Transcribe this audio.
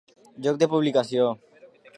Lloc de publicació: